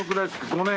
５年？